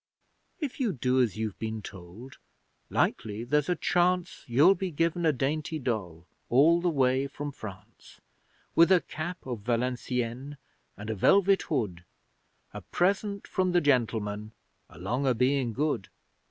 If you do as you've been told, 'likely there's a chance, You'll be give a dainty doll, all the way from France, With a cap of Valenciennes, and a velvet hood A present from the Gentlemen, along o' being good!